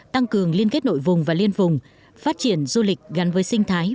tăng cường liên kết nội vùng và liên vùng phát triển du lịch gắn với sinh thái